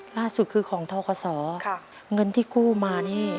ล่าสุดคือของท้องกับสอค่ะเงินที่กู้มานี่